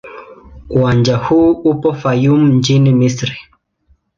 Uwanja huu upo Fayoum nchini Misri.